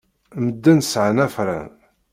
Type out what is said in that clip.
Medden sɛan afran.